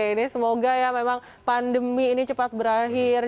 ini semoga ya memang pandemi ini cepat berakhir